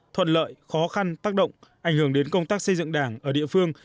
thuận lợi khó khăn tác động ảnh hưởng đến công tác xây dựng đảng ở địa phương